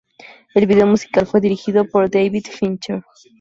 El video musical fue dirigido por David Fincher.